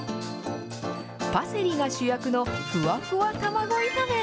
パセリが主役のふわふわ卵炒め。